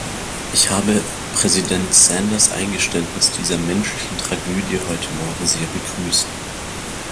Ich habe Präsident Santers Eingeständnis dieser menschlichen Tragödie heute morgen sehr begrüßt.